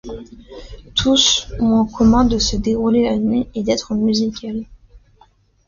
Tous ont en commun de se dérouler la nuit et d'être musical.